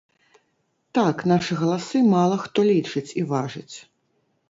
Так, нашы галасы мала хто лічыць і важыць.